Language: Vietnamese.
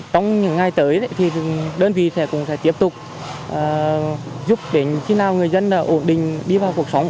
trong những ngày tới thì đơn vị sẽ cũng sẽ tiếp tục giúp đến khi nào người dân ổn định đi vào cuộc sống